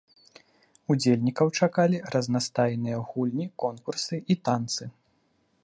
Удзельнікаў чакалі разнастайныя гульні, конкурсы і танцы.